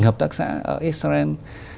hợp tác xã ở israel